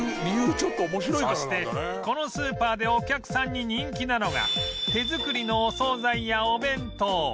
そしてこのスーパーでお客さんに人気なのが手作りのお惣菜やお弁当